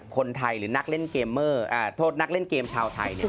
คนไทยหรือนักเล่นเกมชาวไทย